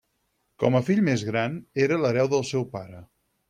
Com a fill més gran, era l'hereu del seu pare.